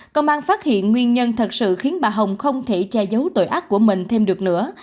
công an phát hiện nguyên nhân thật sự khiến bà hồng không thể che giấu tội ác của mình thêm được nữa